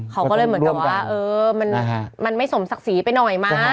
เขาเลยเหมือนกับว่ามันไม่ส่งศักดิ์สี่ไปหน่อย